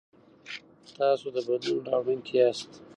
تاسو د بدلون راوړونکي یاست.